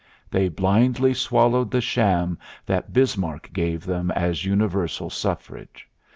They blindly swallowed the sham that Bismarck gave them as universal suffrage.